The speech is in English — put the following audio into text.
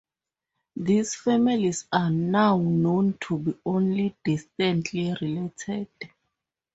These families are now known to be only distantly related.